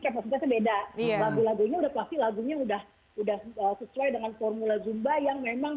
kapasitasnya beda lagu lagunya udah pasti lagunya udah udah sesuai dengan formula zumba yang memang